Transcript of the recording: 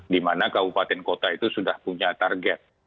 di mana kabupaten kota itu sudah punya target